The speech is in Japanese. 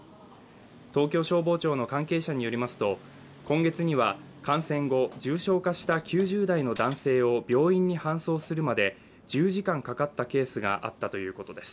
東京消防庁の関係者によりますと、今月には感染後、重症化した９０代の男性を病院に搬送するまで１０時間かかったケースがあったということです。